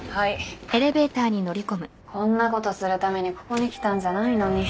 こんなことするためにここに来たんじゃないのに。